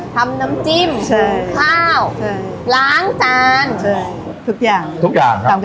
ทำน้ำจิ้มใช่ข้าวใช่ล้างจานใช่ทุกอย่างทุกอย่างครับ